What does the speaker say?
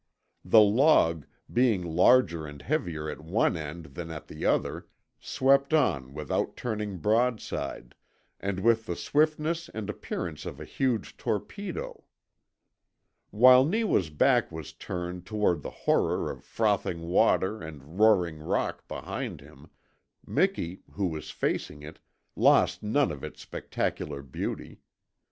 The log, being larger and heavier at one end than at the other, swept on without turning broadside, and with the swiftness and appearance of a huge torpedo. While Neewa's back was turned toward the horror of frothing water and roaring rock behind him, Miki, who was facing it, lost none of its spectacular beauty.